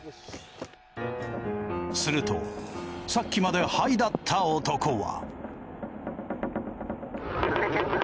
するとさっきまでハイだった男は。